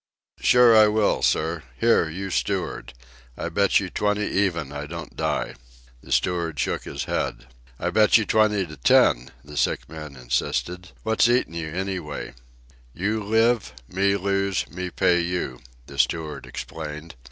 "Sure I will, sir. Here, you steward, I bet you twenty even I don't die." The steward shook his head. "I bet you twenty to ten," the sick man insisted. "What's eatin' you, anyway?" "You live, me lose, me pay you," the steward explained.